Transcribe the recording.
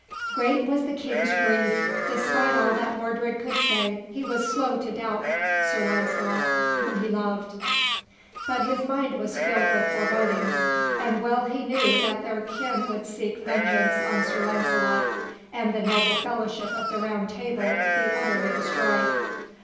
Great was the King's grief. Despite all that Mordred could say, he was slow to doubt Sir Launcelot, whom he loved, but his mind was filled with forebodings; and well he knew that their kin would seek vengeance on Sir Launcelot, and the noble fellowship of the Round Table be utterly destroyed.